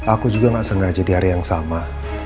aku juga gak sengaja di hari yang sama